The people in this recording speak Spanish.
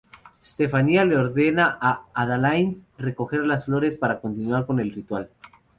Stefania le ordena a Adalind recoger las flores, para continuar con el ritual.